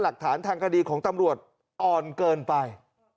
หลักฐานทางคดีของตำรวจอ่อนเกินไป